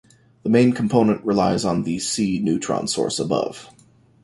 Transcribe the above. The main component relies on the C neutron source above.